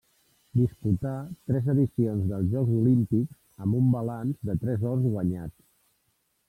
Disputà tres edicions dels Jocs Olímpics, amb un balanç de tres ors guanyats.